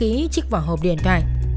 đã đăng ký chiếc vỏ hộp điện thoại